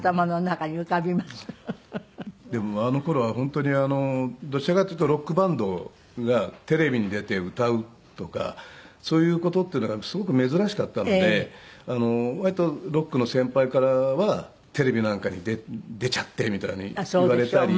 でもあの頃は本当にどちらかというとロックバンドがテレビに出て歌うとかそういう事っていうのはすごく珍しかったので割とロックの先輩からはテレビなんかに出ちゃってみたいに言われたり。